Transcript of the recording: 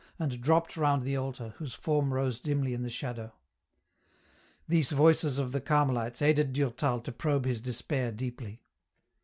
EN ROUTE. 83 and dropped round the altar, whose form rose dimly in the shadow. These voices of the Carmelites aided Durtal to probe his despair deeply.